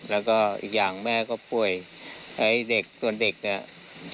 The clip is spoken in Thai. แล้วก็อีกอย่างแม่ก็ป่วยไอ้เด็กส่วนเด็กเนี่ย